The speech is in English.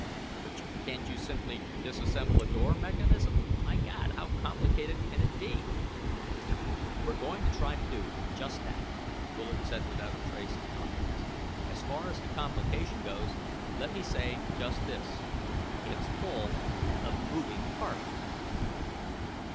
"But can't you simply disassemble the door mechanism? My God, how complicated can it be?" "We're going to try to do just that," Bullard said without a trace of confidence. "As far as the complication goes, let me say just this: it's full of moving parts."